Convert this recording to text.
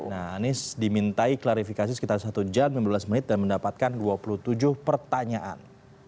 nah anies dimintai klarifikasi sekitar satu jam lima belas menit dan mendapatkan dua puluh tujuh pertanyaan